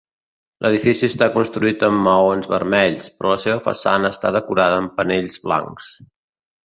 L'edifici està construït amb maons vermells, però la seva façana està decorada amb panells blancs.